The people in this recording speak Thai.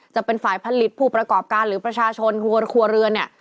จะเป็นฝ่ายผลิตผู้ประกอบการหรือประชาชนครัวเรือนเนี่ย